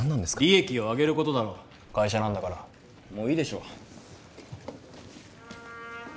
利益をあげることだろ会社なんだからもういいでしょ